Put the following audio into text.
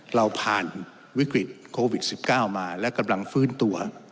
เราผ่านวิกฤตโควิด๑๙มาและกำลังฟื้นตัว